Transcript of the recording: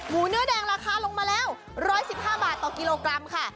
เนื้อแดงราคาลงมาแล้ว๑๑๕บาทต่อกิโลกรัมค่ะ